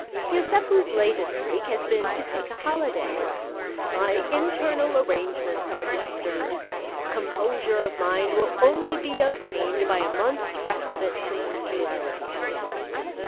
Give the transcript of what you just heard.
Yosépu's latest freak has been to take a holiday. "My internal arrangements are disturbed; composure of mind will only be obtained by a month's respite from secularities."